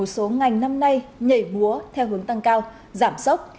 nhiều số ngành năm nay nhảy búa theo hướng tăng cao giảm sốc